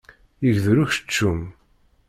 Yegdel ukeččum!